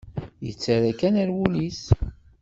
Yettarra kan ar wul-is.